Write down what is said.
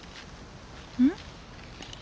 うん？